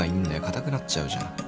硬くなっちゃうじゃん。